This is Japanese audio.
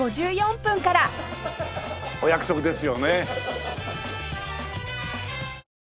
お約束ですよね。